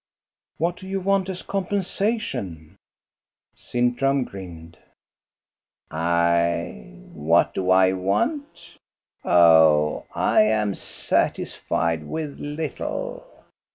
" What do you want as compensation }" Sintram grinned. "I — what do I want ? Oh, I am satisfied with little.